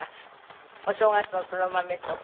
お正月の黒豆とか。